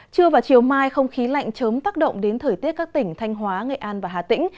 trưa và chiều mai không khí lạnh chớm tác động đến thời tiết các tỉnh thanh hóa nghệ an và hà tĩnh